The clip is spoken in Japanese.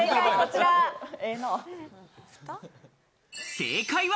正解は。